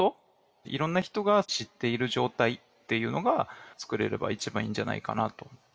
いろんな人が知っている状態っていうのが作れれば一番いいんじゃないかなと思います。